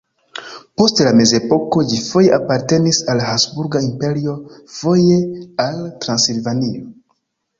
Post la mezepoko ĝi foje apartenis al Habsburga Imperio, foje al Transilvanio.